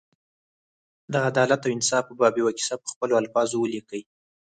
د عدالت او انصاف په باب یوه کیسه په خپلو الفاظو ولیکي.